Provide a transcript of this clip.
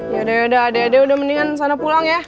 yaudah adik adik udah mendingan sana pulang ya